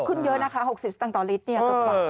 ขึ้นเยอะนะคะ๖๐สตางค์ต่อลิตรเนี่ย